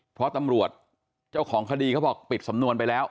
เพราะตำรวจเจ้าของคดีเขาบอกปิดสำนวนไปแล้ว